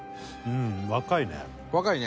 若いね。